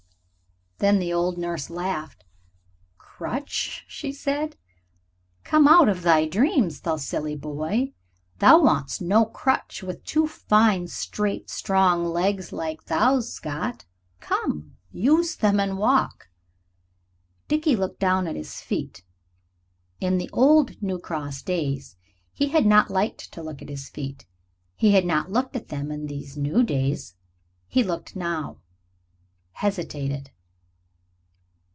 Then the old nurse laughed. "Crutch?" she said. "Come out of thy dreams. Thou silly boy! Thou wants no crutch with two fine, straight, strong legs like thou's got. Come, use them and walk." Dickie looked down at his feet. In the old New Cross days he had not liked to look at his feet. He had not looked at them in these new days. Now he looked. Hesitated.